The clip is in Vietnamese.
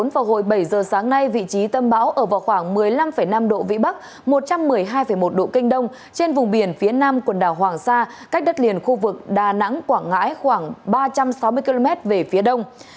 hồi bảy giờ sáng nay vị trí tâm bão ở vào khoảng một mươi năm năm độ vĩ bắc một trăm một mươi hai một độ kinh đông trên vùng biển phía nam quần đảo hoàng sa cách đất liền khu vực đà nẵng quảng ngãi khoảng ba trăm sáu mươi km về phía đông